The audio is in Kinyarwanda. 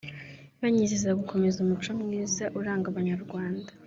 banyizeza gukomeza umuco mwiza uranga Abanyarwanda